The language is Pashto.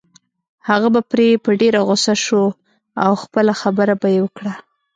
هغه به پرې په ډېره غصه شو او خپله خبره به يې وکړه.